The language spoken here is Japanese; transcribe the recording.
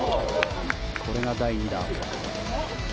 これが第２打。